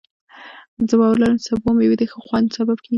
زه باور لرم چې سبو او مېوې د ښه خوب سبب کېږي.